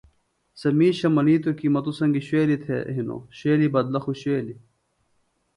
سےۡ مِیشہ منِیتوۡ کے مہ توۡ سنگیۡ شُوویلیۡ تھےۡ ہنوۡ، شُوویلیۡ بدلہ خوۡ شُوویلیۡ